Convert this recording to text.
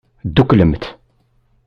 Dduklemt.